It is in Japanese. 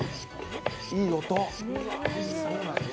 いい音。